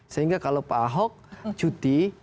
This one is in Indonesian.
sehingga kalau pak ahok cuti